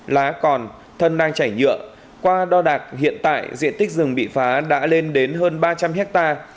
lá còn thân đang chảy nhựa qua đo đạc hiện tại diện tích rừng bị phá đã lên đến hơn ba trăm linh hectare